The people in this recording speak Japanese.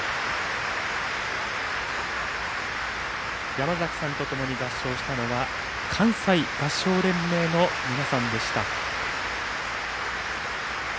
山崎さんとともに合唱したのは関西合唱連盟の皆さんでした。